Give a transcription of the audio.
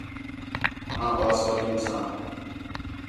آں ٻَئہ سَو گِھنساں